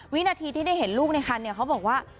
วินาทีที่ได้เห็นลูกในคันเขาบอกว่า